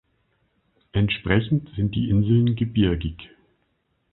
Entsprechend sind die Inseln gebirgig.